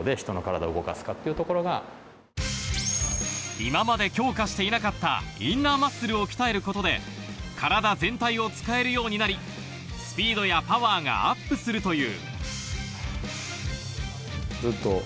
今まで強化していなかったインナーマッスルを鍛えることで、体全体を使えるようになり、スピードやパワーがアップするという。